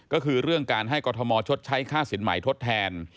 ก็คือเรื่องการให้กรทมชดใช้ค่าสินใหม่ทดแทน